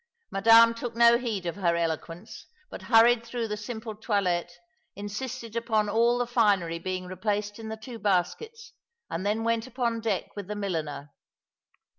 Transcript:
Madame took no heed of her eloquence, but hurried through the simple toilet, insisted upon all the finery being replaced in the two baskets, and then went upon deck with the milliner.